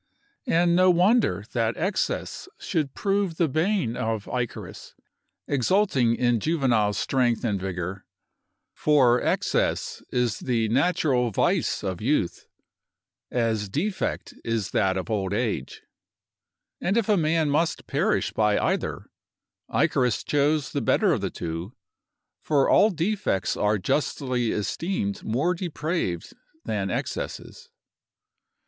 And no wonder that excess should prove the bane of Icarus, exulting in juvenile strength and vigor; for excess is the natural vice of youth, as defect is that of old age; and if a man must perish by either, Icarus chose the better of the two; for all defects are justly esteemed more depraved than excesses.